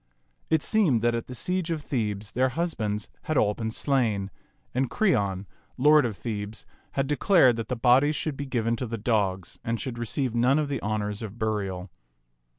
It seemed that at the siege of Thebes their husbands had all been slain, and Creon, lord of 22 t^t Mnx^^f^ t(xit Thebes, had declared that the bodies should be given to the dogs and should receive none of the honors of burial.